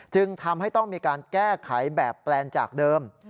จึงทำให้ต้องมีการแก้ไขแบบแปลนจากเดิม